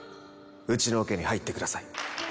うちのオケに入ってください。